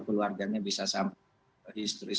keluarganya bisa sampai istri